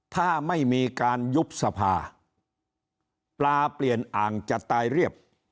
ถ้าไม่มีการยุบสภาปลาเปลี่ยนอ่างจะตายเรียบ